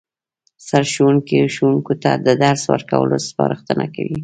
سرښوونکی ښوونکو ته د درس ورکولو سپارښتنه کوي